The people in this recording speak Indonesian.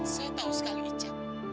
saya tahu sekali ica